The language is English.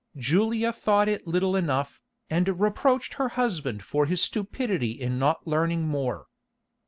Julia thought it little enough, and reproached her husband for his stupidity in not learning more.